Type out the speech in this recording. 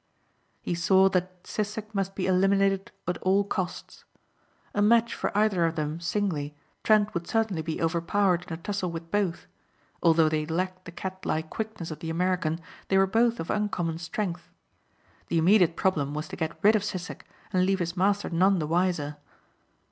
He saw that Sissek must be eliminated at all costs. A match for either of them singly Trent would certainly be overpowered in a tussle with both; although they lacked the cat like quickness of the American they were both of uncommon strength. The immediate problem was to get rid of Sissek and leave his master none the wiser.